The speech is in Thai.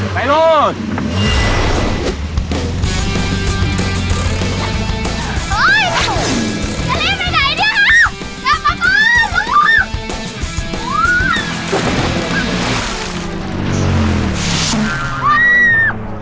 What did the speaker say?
ไปลูก